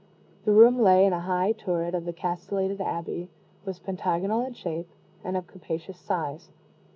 The room lay in a high turret of the castellated abbey, was pentagonal in shape, and of capacious size.